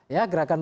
ya gerakan politik